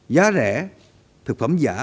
giá rẻ thực phẩm giả